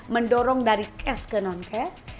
mendorong dari cash ke non cash